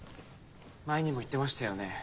前にも言ってましたよね。